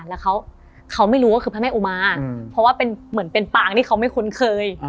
แล้วเขาไม่รู้ว่าคือพระแม่อุมาเพราะว่าเป็นเหมือนเป็นปางที่เขาไม่คุ้นเคย